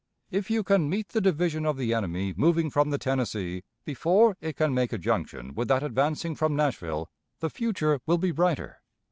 If you can meet the division of the enemy moving from the Tennessee before it can make a junction with that advancing from Nashville, the future will be brighter.